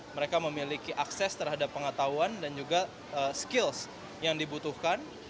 mereka memiliki akses terhadap pengetahuan dan juga skills yang dibutuhkan